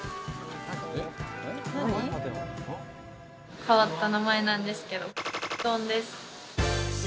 変わった名前なんですけど、丼です。